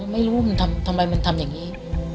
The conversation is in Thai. ไม่รู้มันทำไมมันทำอย่างนี้